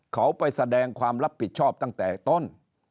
เขาไปแสดงความรับผิดชอบตั้งแต่ต้น